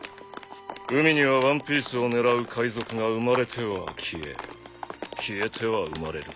海にはワンピースを狙う海賊が生まれては消え消えては生まれる。